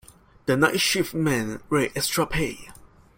The night shift men rate extra pay.